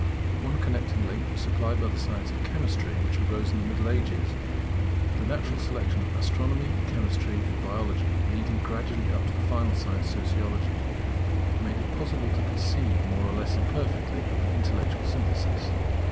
One connecting link was supplied by the science of Chemistry which arose in the Middle Ages. The natural succession of Astronomy, Chemistry, and Biology leading gradually up to the final science, Sociology, made it possible to conceive more or less imperfectly of an intellectual synthesis.